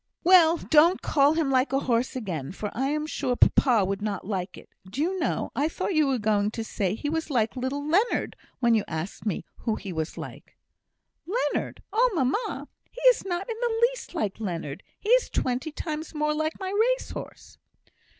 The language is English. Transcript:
"Well! don't call him like a horse again, for I am sure papa would not like it. Do you know, I thought you were going to say he was like little Leonard, when you asked me who he was like." "Leonard! Oh, mamma, he is not in the least like Leonard. He is twenty times more like my race horse.